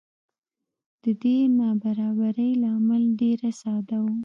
د دې نابرابرۍ لامل ډېره ساده و.